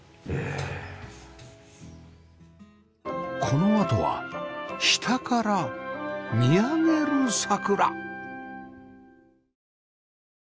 このあとは下から見上げる桜